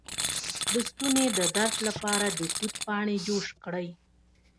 د ستوني د درد لپاره د توت پاڼې جوش کړئ